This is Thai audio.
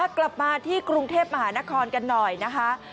กลับมาที่กรุงเทพมหานครกันหน่อยนะคะ